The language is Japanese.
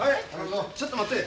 ちょっと待って。